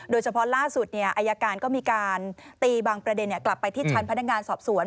โดยเฉพาะล่าสุดอายการก็มีการตีบางประเด็นกลับไปที่ชั้นพนักงานสอบสวน